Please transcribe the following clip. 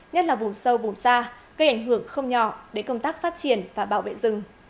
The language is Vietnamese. nhất là vùng sâu vùng xa gây ảnh hưởng không nhỏ đến công tác phát triển và bảo vệ rừng